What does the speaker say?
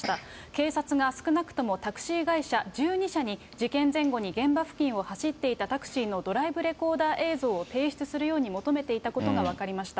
警察が少なくともタクシー会社１２社に、事件前後に現場付近を走っていたタクシーのドライブレコーダー映像を提出するように求めていたことが分かりました。